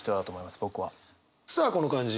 さあこの感じ